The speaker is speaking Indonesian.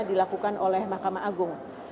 dilakukan oleh mahkamah agung